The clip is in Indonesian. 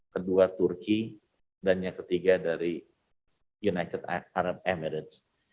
kedua turki dan yang ketiga dari united arab emitens